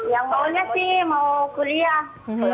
yang maunya sih mau kuliah